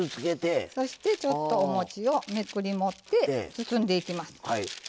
そしてちょっとおもちをめくり持って包んでいきます。